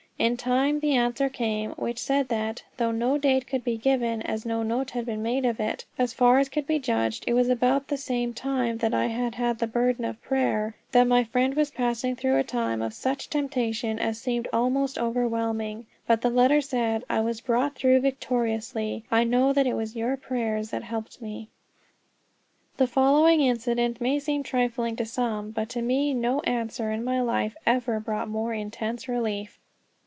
In time the answer came, which said that though no date could be given, as no note had been made of it as far as could be judged, it was about the same time that I had had the burden of prayer that my friend was passing through a time of such temptation as seemed almost overwhelming. But the letter said: "I was brought through victoriously; I know that it was your prayers that helped me." The following incident may seem trifling to some; but to me no answer in my life ever brought more intense relief.